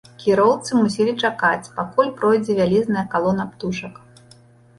Кіроўцы мусілі чакаць, пакуль пройдзе вялізная калона птушак.